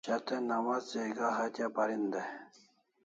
Shat'e nawats jaiga hatya parin dai